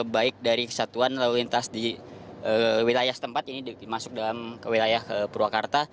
baik dari kesatuan lalu lintas di wilayah setempat ini masuk dalam ke wilayah purwakarta